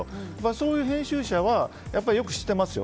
そういう編集者はよく知っていますよ。